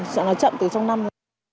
sợ nó chậm từ trong năm